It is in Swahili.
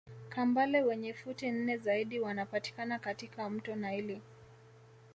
Kambale wenye futi nne zaidi wanapatikana katika mto naili